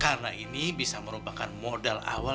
karena ini bisa merupakan modal awal